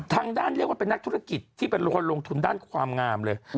เรียกว่าเป็นนักธุรกิจที่เป็นคนลงทุนด้านความงามเลย